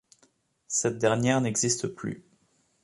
Cette dernière n'existe plus.